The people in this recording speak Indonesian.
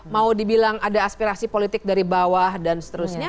mau dibilang ada aspirasi politik dari bawah dan seterusnya